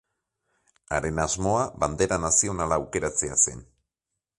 Haren asmoa bandera nazionala aukeratzea zen.